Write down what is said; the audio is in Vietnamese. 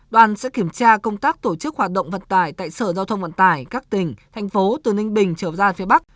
đoàn sẽ kiểm tra công tác tổ chức hoạt động vận tải tại sở giao thông vận tải các tỉnh thành phố từ ninh bình trở ra phía bắc